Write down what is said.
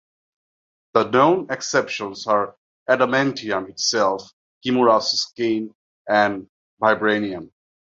The known exceptions are adamantium itself, Kimura's skin, and vibranium.